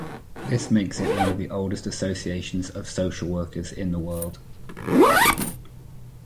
This makes it one of the oldest associations of social workers in the world.